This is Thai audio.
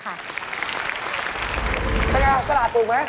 ข้างหน้าสระถูกไหม